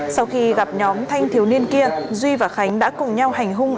sau khi gặp nhóm thanh thiếu niên kia duy và khánh đã cùng nhau hành hung